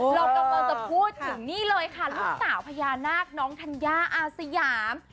เรากำลังจะพูดถึงนี่เลยค่ะลูกสาวพญานาคน้องธัญญาอาสยาม